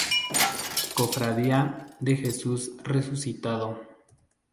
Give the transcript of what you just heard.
Cofradía de Jesús Resucitado.